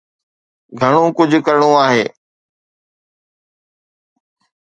گهڻو ڪجهه ڪرڻو آهي.